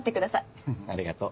フフありがとう。